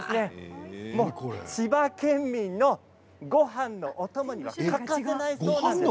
千葉県民のごはんのお供には欠かせないそうです。